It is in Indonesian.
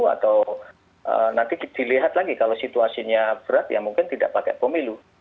atau nanti dilihat lagi kalau situasinya berat ya mungkin tidak pakai pemilu